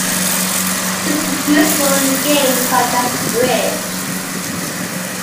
This is useful in games such as bridge.